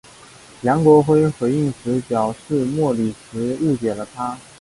梁国辉回应时表示莫礼时误解了他。